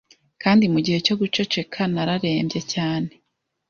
kandi mugihe cyo guceceka nararembye cyane